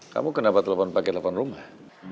kamu kenapa telepon pakai telepon rumah